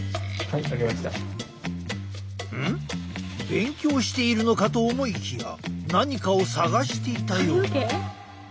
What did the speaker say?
勉強しているのかと思いきや何かを探していたようだ。